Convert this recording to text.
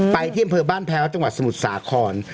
ที่อำเภอบ้านแพ้วจังหวัดสมุทรสาคร